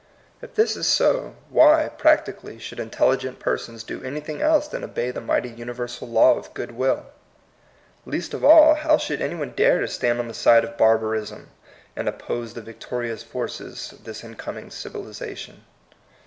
If this is so, why, prac tically, should intelligent persons do any. thing else than obey the mighty universe law of good will ? Least of all, how should any one dare to stand on the side of bar barism, and oppose the victorious forces of this incoming civilization